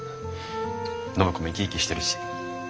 暢子も生き生きしてるし。